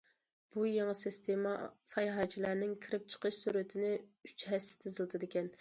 بۇ يېڭى سىستېما ساياھەتچىلەرنىڭ كىرىپ- چىقىش سۈرئىتىنى ئۈچ ھەسسە تېزلىتىدىكەن.